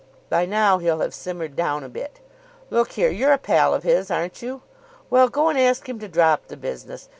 By now he'll have simmered down a bit. Look here, you're a pal of his, aren't you? Well, go and ask him to drop the business.